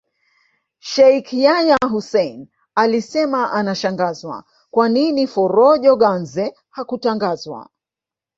Sheikh Yahya Hussein alisema anashangazwa kwa nini Forojo Ganze hakutangazwa